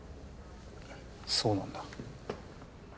そうなんだ。